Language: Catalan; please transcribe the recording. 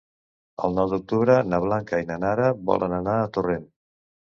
El nou d'octubre na Blanca i na Nara volen anar a Torrent.